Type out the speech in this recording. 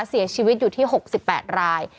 เสียชีวิตอยู่ที่๖๘ราย